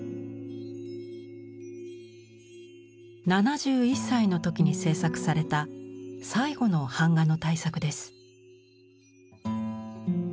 ７１歳の時に制作された最後の板画の大作です。